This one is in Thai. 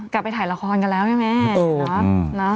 กลับไปถ่ายละครกันแล้วใช่ไหมแม่